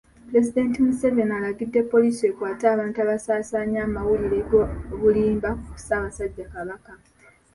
Pulezidenti Museveni alagidde poliisi ekwate abantu abasaasaanya amawulire ag’obulimba ku Ssaabasajja Kabaka.